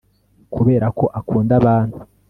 kubera ko akunda abantu